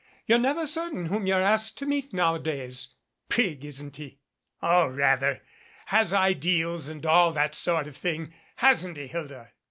You're never certain whom you're asked to meet nowadays. Prig, isn't he?" "Oh, rather! Has ideals, and all that sort of thing, hasn't he, Hilda?"